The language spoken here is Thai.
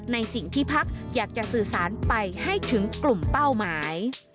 ในสิ่งที่พักอยากจะสื่อสารไปให้ถึงกลุ่มเป้าหมาย